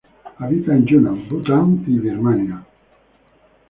Habita en Yunnan, Bután y Birmania.